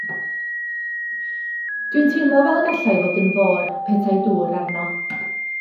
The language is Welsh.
Dw i'n teimlo fel y gallai fod yn fôr, petai dŵr arno.